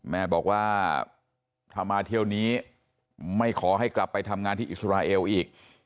แม่บอกว่าถ้ามาเที่ยวนี้ไม่ขอให้กลับไปทำงานที่อิสราเอลอีก